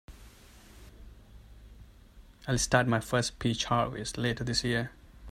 I'll start my first peach harvest later this year.